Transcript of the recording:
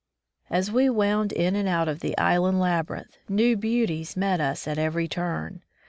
As we wound in and out of the island laby rinth, new beauties met us at every turn.